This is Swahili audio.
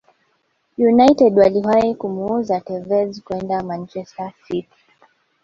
United waliwahi kumuuza Tevez kwenda manchester City